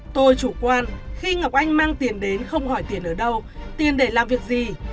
tôi chủ quan khi ngọc anh mang tiền đến không hỏi tiền ở đâu tiền để làm việc gì